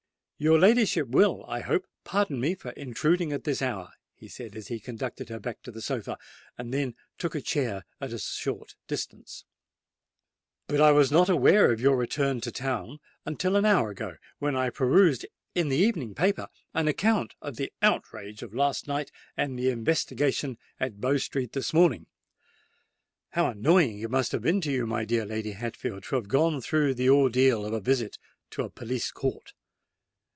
"Your ladyship will, I hope, pardon me for intruding at this hour," he said, as he conducted her back to the sofa, and then took a chair at a short distance; "but I was not aware of your return to town until an hour ago, when I perused in the evening paper an account of the outrage of last night and the investigation at Bow Street this morning. How annoying it must have been to you, my dear Lady Hatfield, to have gone through the ordeal of a visit to a police court!"